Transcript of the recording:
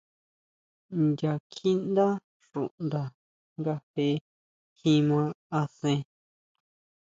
Nya kjiʼndá xuʼnda nga je kjima asen.